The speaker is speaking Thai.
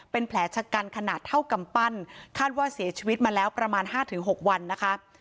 เป็นแผลชะกันขนาดเท่ากำปั้นคาดว่าเสียชีวิตมาแล้วประมาณ๕๖วันนะคะ